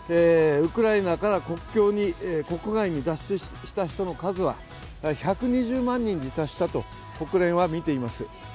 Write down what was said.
ウクライナから国外に脱出した人の数は１２０万人に達したと国連はみています。